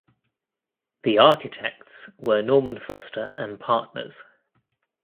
The architects were Norman Foster and Partners.